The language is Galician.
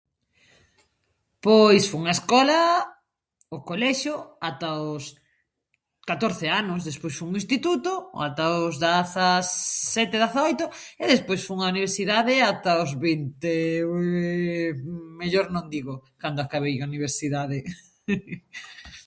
Pois fun a escola, ó colexio, ata os catorce anos, despois fun ao instituto ata os dazasete, dazaoito e despois fun a universidade ata os vinte e... mellor non digo cando acabei a universidade.